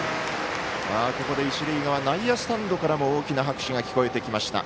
ここで一塁側内野スタンドからも大きな拍手が聞こえてきました。